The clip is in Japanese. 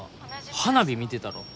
花火見てたろ？